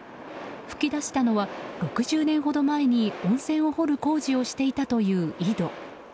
噴き出したのは６０年ほど前に温泉を掘る工事をしていたという井戸。